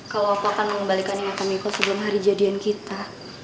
kalau aku akan mengembalikan ingatan miko sebelum hari jadian kita